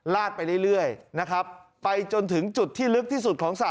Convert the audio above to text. ลาดไปเรื่อยนะครับไปจนถึงจุดที่ลึกที่สุดของสระ